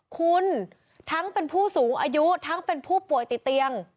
คุณทั้งเป็นผู้สูงอายุทั้งเป็นผู้ป่วยติดเตียง